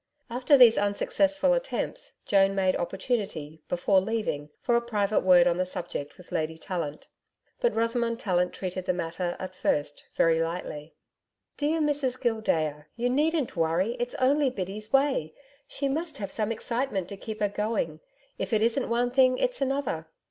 After these unsuccessful attempts, Joan made opportunity, before leaving, for a private word on the subject with Lady Tallant. But Rosamond Tallant treated the matter, at first, very lightly. 'Dear Mrs Gildea, you needn't worry, it's only Biddy's way. She must have some excitement to keep her going. If it isn't one thing, it's another.